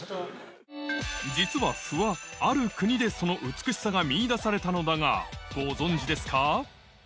実は斑はある国でその美しさが見いだされたのだがご存じですか？